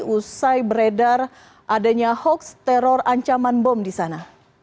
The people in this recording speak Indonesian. usai beredar adanya hoaks teror ancaman bom di sana